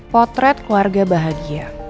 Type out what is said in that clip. potret keluarga bahagia